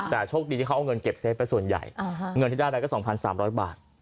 แต่โชคดีที่เขาเอาเงินเก็บเซฟไปส่วนใหญ่เงินที่ได้อะไรก็สองพันสามร้อยบาท